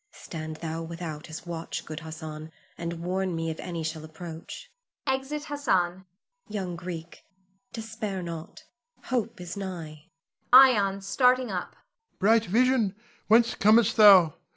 Stand thou without as watch, good Hassan, and warn me if any shall approach. [Exit Hassan.] Young Greek, despair not; hope is nigh. Ion [starting up]. Bright vision, whence comest thou?